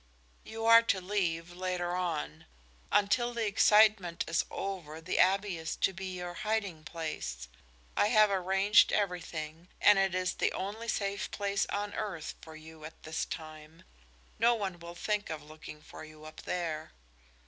"You are to leave later on. Until the excitement is over the abbey is to be your hiding place. I have arranged everything, and it is the only safe place on earth for you at this time. No one will think of looking for you up there."